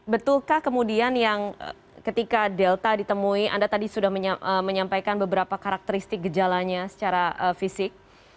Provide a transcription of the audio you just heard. betulkah kemudian yang ketika delta ditemui anda tadi sudah menyampaikan beberapa karakteristik gejalanya secara fisik